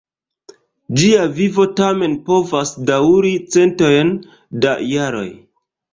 Ĝia vivo tamen povas daŭri centojn da jaroj.